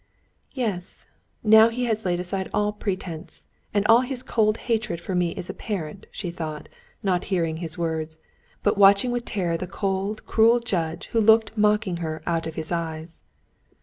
"Yes, now he has laid aside all pretense, and all his cold hatred for me is apparent," she thought, not hearing his words, but watching with terror the cold, cruel judge who looked mocking her out of his eyes.